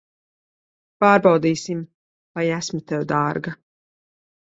Pārbaudīsim, vai esmu tev dārga.